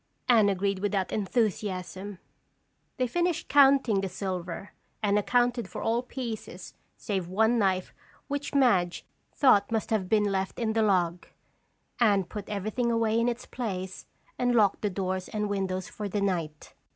Anne agreed without enthusiasm. They finished counting the silver and accounted for all pieces save one knife which Madge thought must have been left in the log. Anne put everything away in its place and locked the doors and windows for the night.